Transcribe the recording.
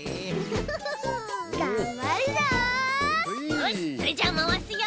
よしそれじゃあまわすよ。